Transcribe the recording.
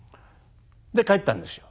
で帰ったんですよ。